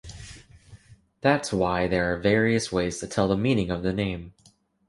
That's why there are various ways to tell the meaning of the name.